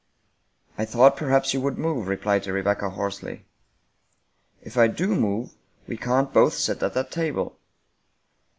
" I thought perhaps you would move," replied Rebecca hoarsely. " If I do move, we can't both sit at that table.